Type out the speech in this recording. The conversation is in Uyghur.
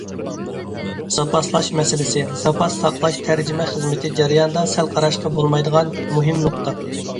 زاپاسلاش مەسىلىسى: زاپاس ساقلاش تەرجىمە خىزمىتى جەريانىدا سەل قاراشقا بولمايدىغان مۇھىم نۇقتا.